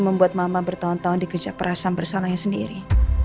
membuat mama bertahun tahun dikejar perasaan bersalahnya sendiri